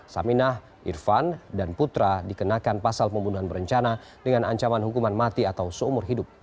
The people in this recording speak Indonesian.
saminah irfan dan putra dikenakan pasal pembunuhan berencana dengan ancaman hukuman mati atau seumur hidup